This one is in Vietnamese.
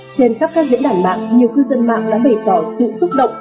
trên khắp các diễn đàn mạng nhiều cư dân mạng đã bày tỏ sự xúc động